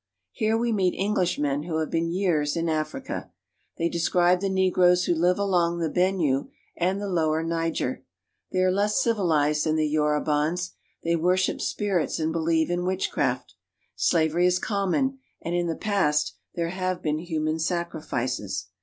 Here we meet Englishmen who have been years in Africa. They describe the negroes who live along the Benue and the lower Niger. They are less civilized than the Yorubans. They worship spirits and believe in witch craft. Slavery is common, and in the past there have been human sacrifices.